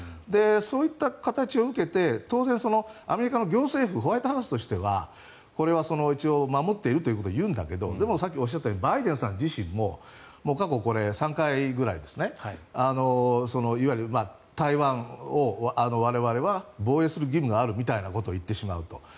そういった形を受けて当然、アメリカの行政府ホワイトハウスとしてはこれは一応守っているということを言うんだけどでも、さっきおっしゃったようにバイデンさん自身も過去３回くらいいわゆる台湾を我々は防衛する義務があるみたいなことを言ってしまうと。